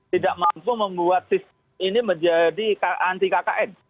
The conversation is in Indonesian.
tidak mampu membuat sistem ini menjadi anti kkn